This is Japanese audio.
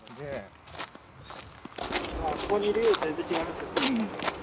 あそこにいるより全然違いますよね。